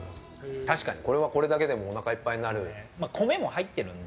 確かに、これはこれだけでおなかいっぱいになる。